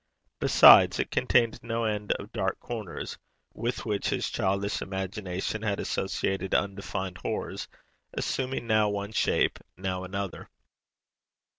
Besides, it contained no end of dark corners, with which his childish imagination had associated undefined horrors, assuming now one shape, now another.